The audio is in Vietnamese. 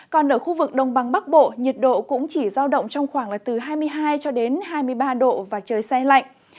còn ở khu vực đông băng bắc bộ nhiệt độ cũng chỉ giao động trong khoảng hai mươi hai hai mươi ba độ và trời say lạnh